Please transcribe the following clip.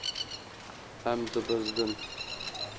Em dibizdin.